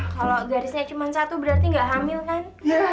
kalo garisnya cuma satu berarti gak hamil kan